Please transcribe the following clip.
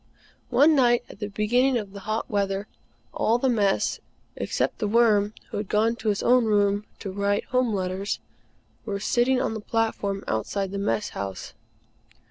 One night, at the beginning of the hot weather, all the Mess, except The Worm, who had gone to his own room to write Home letters, were sitting on the platform outside the Mess House.